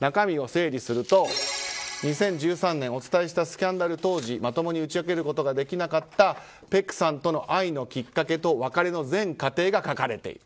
中身を整理すると２０１３年、スキャンダル当時まともに打ち明けることができなかったペクさんとの愛のきっかけと別れの全過程が書かれている。